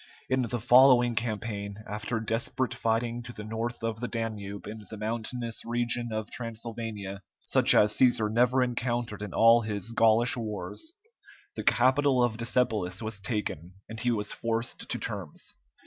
In the following campaign, after desperate fighting to the north of the Danube in the mountainous region of Transylvania, such as Cæsar never encountered in all his Gaulish wars, the capital of Decebalus was taken, and he was forced to terms.